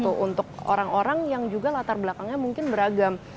untuk orang orang yang juga latar belakangnya mungkin beragam